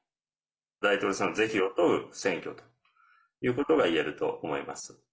大統領制の是非を問う選挙ということがいえると思います。